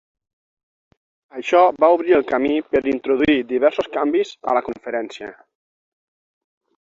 Això va obrir el camí per introduir diversos canvis a la conferència.